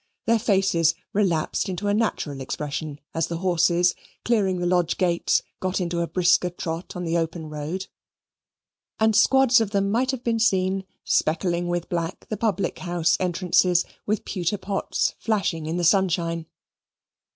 Their faces relapsed into a natural expression as the horses, clearing the lodge gates, got into a brisker trot on the open road; and squads of them might have been seen, speckling with black the public house entrances, with pewter pots flashing in the sunshine.